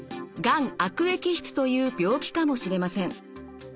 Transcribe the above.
がん悪液質という病気かもしれません。